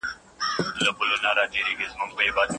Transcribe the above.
عقيده بايد د زړه له خلاصه ومنل سي.